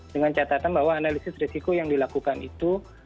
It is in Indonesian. dengan catatan bahwa analisis risiko yang dilakukan itu